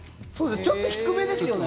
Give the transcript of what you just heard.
ちょっと低めですよね。